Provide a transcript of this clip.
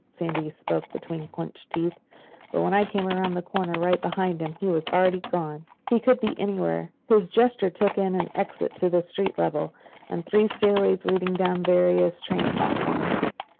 Sandy spoke between clenched teeth. "When I came around the corner—right behind him—he was already gone. He could be anywhere." His gesture took in an exit to the street level, and three stairways leading down to various train platforms.